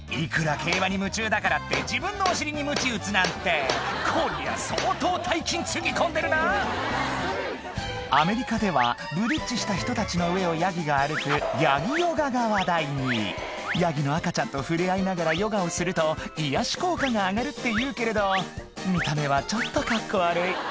競馬に夢中だからって自分のお尻にムチ打つなんてこりゃ相当大金つぎ込んでるなアメリカではブリッジした人たちの上をヤギが歩くヤギヨガが話題にヤギの赤ちゃんと触れ合いながらヨガをすると癒やし効果が上がるっていうけれど見た目はちょっとカッコ悪い